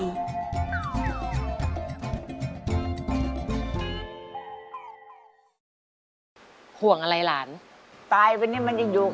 รายการต่อไปนี้เป็นรายการทั่วไปสามารถรับชมได้ทุกวัย